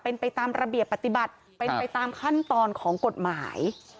เป็นไปตามระเบียบปฏิบัติเป็นไปตามขั้นตอนของกฎหมาย